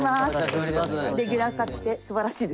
レギュラー化してすばらしいです。